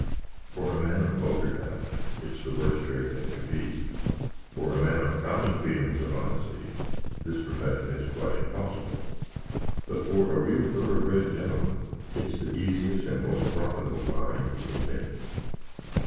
For a man of wulgar family, it's the wust trade that can be for a man of common feelinx of honesty, this profession is quite imposbill; but for a real torough bread genlmn, it's the easiest and most prophetable line he can take.